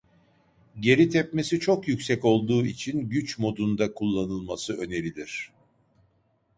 Geri tepmesi çok yüksek olduğu için güç modunda kullanılması önerilir.